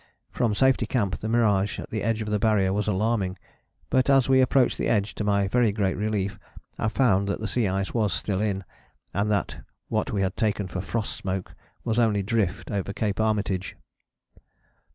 From Safety Camp the mirage at the edge of the Barrier was alarming, but as we approached the edge to my very great relief I found that the sea ice was still in, and that what we had taken for frost smoke was only drift over Cape Armitage.